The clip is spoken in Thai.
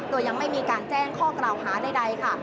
โดยยังไม่มีการแจ้งข้อกล่าวหาใดค่ะ